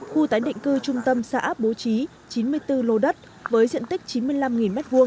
khu tái định cư trung tâm xã bố trí chín mươi bốn lô đất với diện tích chín mươi năm m hai